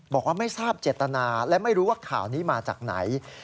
บอกว่าไม่ทราบเจตนาและไม่รู้ว่าข่าวนี้มาจากไหน